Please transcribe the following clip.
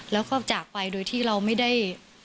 แล้วก็จากไปโดยที่เราไม่ได้